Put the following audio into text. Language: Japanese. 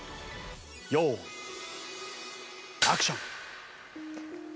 用意アクション。